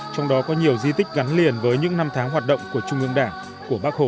trong đó có nhiều di tích gắn liền với những năm tháng hoạt động của trung ương đảng của bác hồ